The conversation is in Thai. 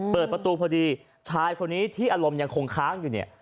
เปิดประตูพอดีชายคนนี้ที่อารมณ์ยังคงค้างอยู่เนี่ย